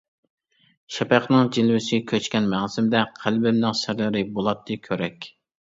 شەپەقنىڭ جىلۋىسى كۆچكەن مەڭزىمدە، قەلبىمنىڭ سىرلىرى بولاتتى كۆرەك.